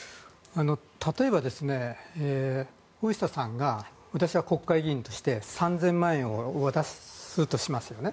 例えば、大下さんが私を国会議員として３０００万円をお渡しするとしますよね。